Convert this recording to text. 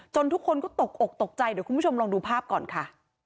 ทุกคนก็ตกอกตกใจเดี๋ยวคุณผู้ชมลองดูภาพก่อนค่ะ